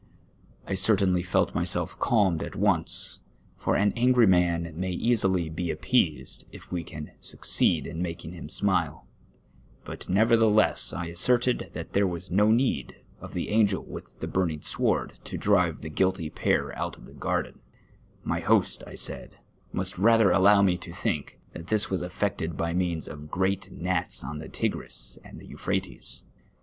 I certainly felt myself cahned at once, for an angiy man may easily be appeased if we can suc ceed in maldng him smile ; but I nevertheless asserted that there was no need of the angel with the bmiiing sword to di'ive the guilty pair out of the garden ; my host, I said, must rather allow me to think that this was effected by menus of gi'cat gnats on the Tigris and the Euphrates.